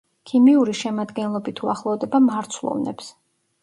ქიმიური შემადგენლობით უახლოვდება მარცვლოვნებს.